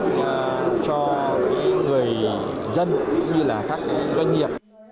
lợi ích cho người dân như là các doanh nghiệp